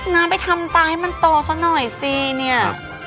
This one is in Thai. น้ำไปทำตาให้มันโตซะหน่อยสิเนี่ย